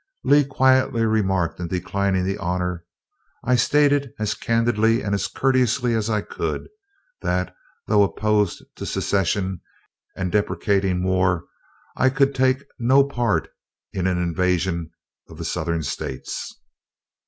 Lee quietly remarked in declining the honor, "I stated as candidly and courteously as I could, that, though opposed to secession and deprecating war, I could take no part in an invasion of the Southern States."